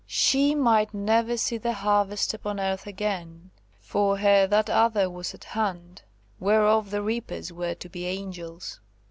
She might never see the harvest upon earth again–for her that other was at hand, whereof the reapers were to be angels.